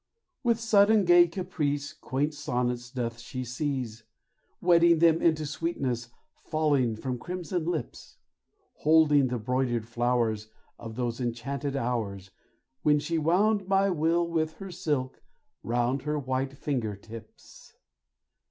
With sudden gay caprice Quaint sonnets doth she seize, Wedding them unto sweetness, falling from crimson lips; Holding the broidered flowers Of those enchanted hours, When she wound my will with her silk round her white finger tips.